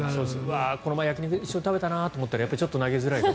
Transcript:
この前、焼き肉一緒に食べたなと思ったらちょっと投げづらいと。